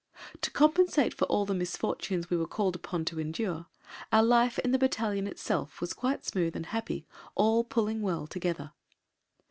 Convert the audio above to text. To compensate for all the misfortunes we were called upon to endure, our life in the battalion itself was quite smooth and happy, all pulling well together.